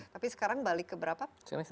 tapi sekarang balik ke berapa